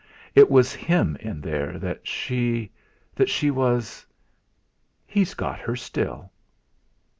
'It was him in there, that she that she was He's got her still!'